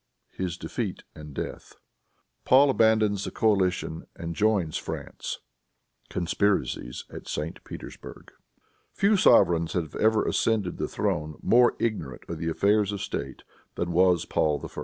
His Defeat and Death. Paul Abandons the Coalition and Joins France. Conspiracies at St. Petersburg. Few sovereigns have ever ascended the throne more ignorant of affairs of state than was Paul I.